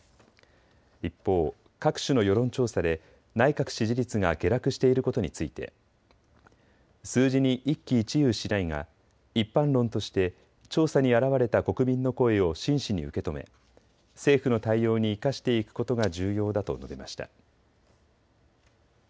一方、各種の世論調査で内閣支持率が下落していることについて数字に一喜一憂しないが一般論として調査に表れた国民の声を真摯に受け止め、政府の対応に生かしていくことが重要だと述べました。